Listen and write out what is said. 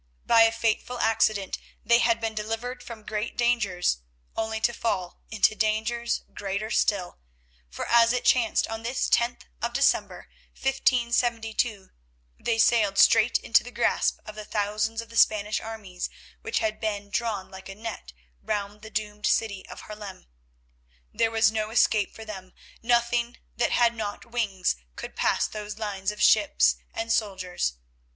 By a fateful accident they had been delivered from great dangers only to fall into dangers greater still, for as it chanced, on this tenth of December, 1572, they sailed straight into the grasp of the thousands of the Spanish armies which had been drawn like a net round the doomed city of Haarlem. There was no escape for them; nothing that had not wings could pass those lines of ships and soldiers.